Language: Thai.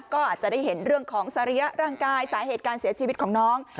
ก็อาจจะได้เห็นเรื่องของสริยะร่างกายสาเหตุการเสียชีวิตของน้อง